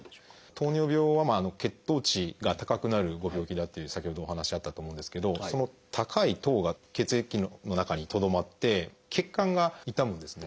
糖尿病は血糖値が高くなるご病気だっていう先ほどもお話あったと思うんですけどその高い糖が血液の中にとどまって血管が傷むんですね。